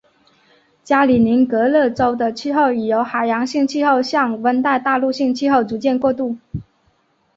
加里宁格勒州的气候已由海洋性气候向温带大陆性气候逐渐过渡。